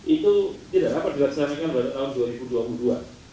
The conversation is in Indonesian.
itu tidak dapat dilaksanakan pada tahun dua ribu dua puluh dua